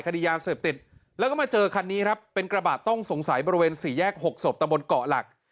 คดียาเสพติดแล้วก็มาเจอคันนี้ครับเป็นกระบะต้องสงสัยบริเวณสี่แยก๖ศพตะบนเกาะหลัก